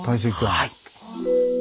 はい。